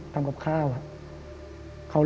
ทำครอบข้าวอ่า